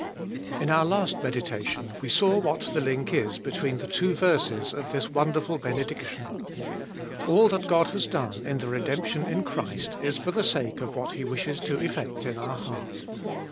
IN our last meditation we saw what the link is between the two verses of this wonderful benediction. All that God has done in the redemption in Christ is for the sake of what He wishes to effect in our heart.